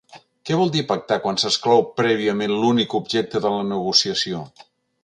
Què vol dir pactar quan s’exclou prèviament l’únic objecte de la negociació?